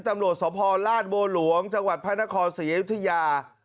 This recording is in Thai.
ตำรวจสพลาดบัวหลวงจังหวัดพระนครศรีอยุธยา